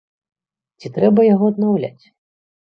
Ці трэба яго аднаўляць?